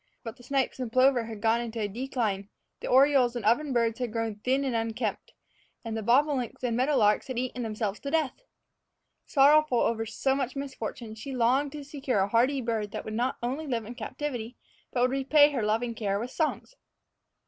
But the snipes and plover had gone into a decline, the orioles and ovenbirds had grown thin and unkempt, and the bobolinks and meadow larks had eaten themselves to death. Sorrowful over so much misfortune, she had longed to secure a hardy bird that would not only live in captivity, but would repay her loving care with songs.